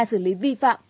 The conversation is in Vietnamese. xử lý vi phạm